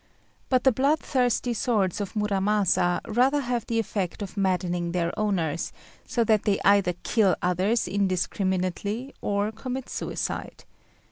But the bloodthirsty swords of Muramasa rather have the effect of maddening their owners, so that they either kill others indiscriminately or commit suicide.